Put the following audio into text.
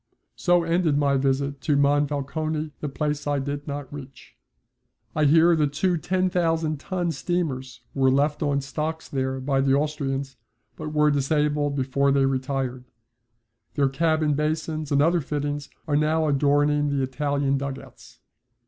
So ended my visit to Monfalcone, the place I did not reach. I hear that two 10,000 ton steamers were left on the stocks there by the Austrians, but were disabled before they retired. Their cabin basins and other fittings are now adorning the Italian dug outs.